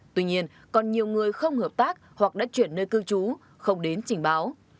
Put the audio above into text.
tuy nhiên còn nhiều người không hợp tác hoặc đã chuyển nơi cư trú không đến trình báo